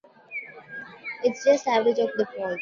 It's just average to a fault.